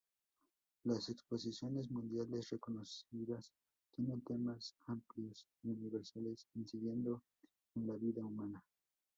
Las exposiciones mundiales reconocidas tienen temas amplios y universales, incidiendo en la vida humana.